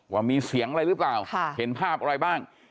ว่ามีเสียงอะไรหรือเปล่าเห็นภาพอะไรบ้าง